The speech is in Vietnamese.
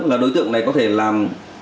là đối tượng này có thể làm